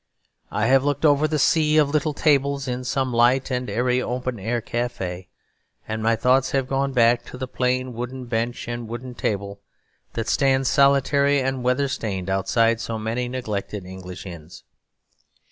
I have looked over the sea of little tables in some light and airy open air café; and my thoughts have gone back to the plain wooden bench and wooden table that stands solitary and weather stained outside so many neglected English inns.